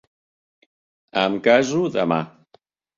Em caso demà.